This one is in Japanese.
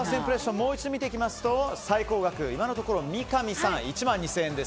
もう一度見ていきますと最高額、今のところ三上さん１万２０００円です。